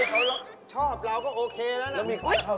เธอชอบเราก็แล้วนะ